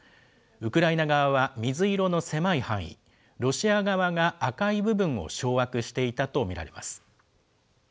ウクライナ側は水色の狭い範囲、ロシア側が赤い部分を掌握していたと見られます。